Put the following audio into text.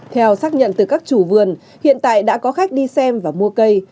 theo xác nhận từ các chủ vườn hiện tại đã có khách đi xem và mua cây